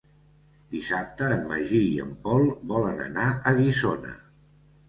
Dissabte en Magí i en Pol volen anar a Guissona.